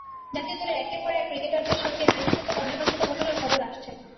জাতীয় দলের একের পর এক ক্রিকেটারের সঙ্গে নারীঘটিত অনাকাঙ্ক্ষিত ঘটনার খবর আসছে।